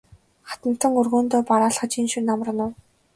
Хатантан өргөөндөө бараалхаж энэ шөнө амарна уу?